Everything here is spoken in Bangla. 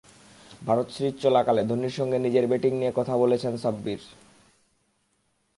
ভারত সিরিজ চলাকালে ধোনির সঙ্গে নিজের ব্যাটিং নিয়ে কথা বলেছেন সাব্বির।